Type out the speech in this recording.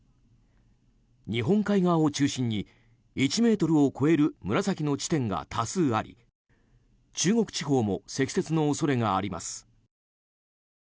日本海側を中心に１ｍを超える紫の地点が多数あり中国地方も積雪の恐れがあります。